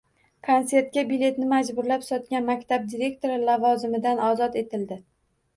Konsertga biletni majburlab sotgan maktab direktori lavozimidan ozod etildi